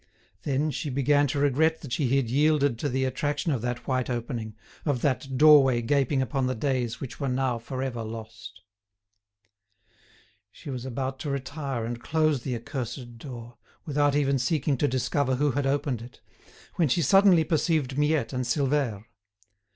Then she began to regret that she had yielded to the attraction of that white opening, of that doorway gaping upon the days which were now for ever lost. She was about to retire and close the accursed door, without even seeking to discover who had opened it, when she suddenly perceived Miette and Silvère.